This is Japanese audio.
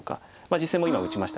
実戦も今打ちました。